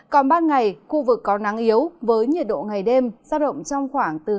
còn ban ngày khu vực có nắng yếu với nhiệt độ ngày đêm sao động trong khoảng từ hai mươi ba ba mươi ba độ